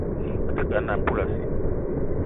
Me te ke a nnam poulassi